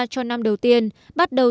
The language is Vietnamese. cho năm đầu tiên bắt đầu